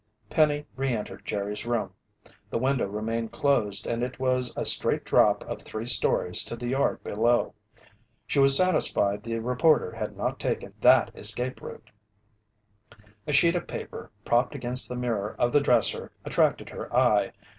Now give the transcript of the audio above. Penny re entered Jerry's room. The window remained closed and it was a straight drop of three stories to the yard below. She was satisfied the reporter had not taken that escape route. A sheet of paper, propped against the mirror of the dresser attracted her eye.